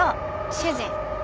主人。